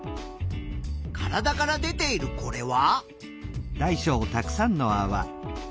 体から出ているこれは？